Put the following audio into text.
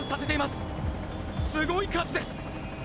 すごい数です！